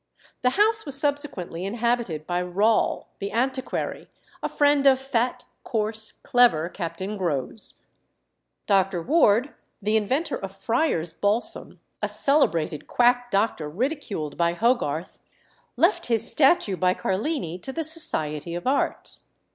The house was subsequently inhabited by Rawle, the antiquary, a friend of fat, coarse, clever Captain Grose. Dr. Ward, the inventor of "Friar's Balsam," a celebrated quack doctor ridiculed by Hogarth, left his statue by Carlini to the Society of Arts.